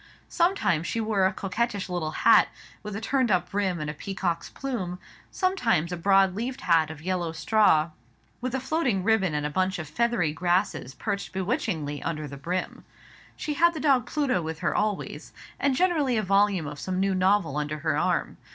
Sometimes she wore a coquettish little hat, with a turned up brim and a peacock's plume; sometimes a broad leaved hat of yellow straw, with floating ribbon and a bunch of feathery grasses perched bewitchingly upon the brim. She had the dog Pluto with her always, and generally a volume of some new novel under her arm.